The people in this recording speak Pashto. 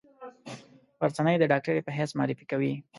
غرڅنۍ د ډاکټرې په حیث معرفي کوي.